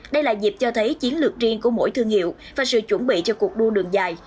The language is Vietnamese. đây là dịp cho thấy chiến lược riêng của mỗi thương hiệu và sự chuẩn bị cho cuộc đua đường dài